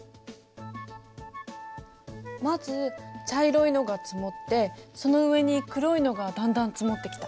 まず茶色いのが積もってその上に黒いのがだんだん積もってきた。